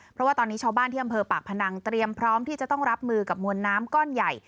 เพราะว่าตอนนี้ชาวบ้านที่อำเภอปากพนังเตรียมพร้อมที่จะต้องรับมือกับมวลน้ำก้อนใหญ่